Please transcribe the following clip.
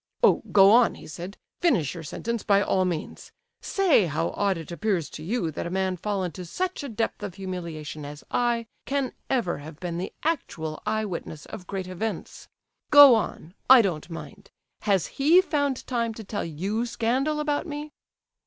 "Oh, go on," he said, "finish your sentence, by all means. Say how odd it appears to you that a man fallen to such a depth of humiliation as I, can ever have been the actual eye witness of great events. Go on, I don't mind! Has he found time to tell you scandal about me?"